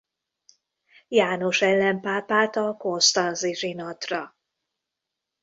János ellenpápát a konstanzi zsinatra.